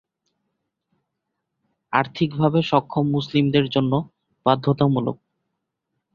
আর্থিকভাবে সক্ষম মুসলিমের জন্য বাধ্যতামূলক।